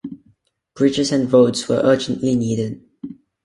Bridges and roads were urgently needed.